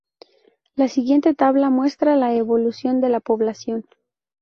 La siguiente tabla muestra la evolución de la población.